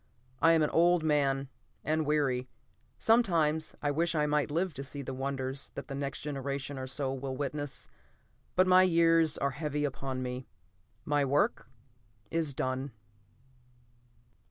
I am an old man, and weary. Sometimes I wish I might live to see the wonders that the next generation or so will witness, but my years are heavy upon me. My work is done.